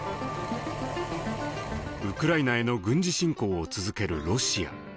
ウクライナへの軍事侵攻を続けるロシア。